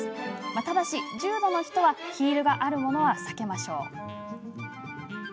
ただし、重度の人はヒールがあるものは避けましょう。